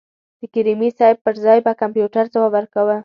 د کریمي صیب پر ځای به کمپیوټر ځواب ورکاوه.